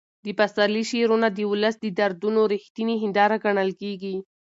د پسرلي شعرونه د ولس د دردونو رښتینې هنداره ګڼل کېږي.